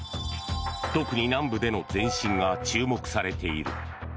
特に南部での前進が注目されている。